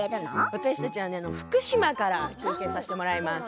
私たちは福島から中継させてもらいます。